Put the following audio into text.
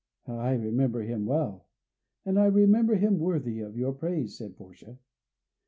"I remember him well, and I remember him worthy of your praise," said Portia.